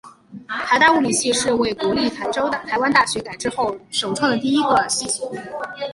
台大物理系是为国立台湾大学改制之后首创的第一个系所。